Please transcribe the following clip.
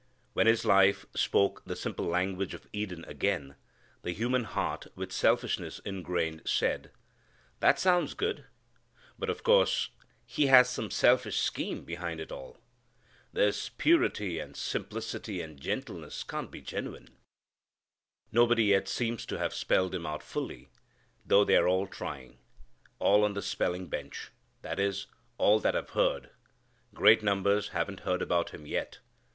When His life spoke the simple language of Eden again, the human heart with selfishness ingrained said, "That sounds good, but of course He has some selfish scheme behind it all. This purity and simplicity and gentleness can't be genuine." Nobody yet seems to have spelled Him out fully, though they're all trying: All on the spelling bench. That is, all that have heard. Great numbers haven't heard about Him yet.